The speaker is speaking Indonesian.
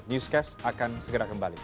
newscast akan segera kembali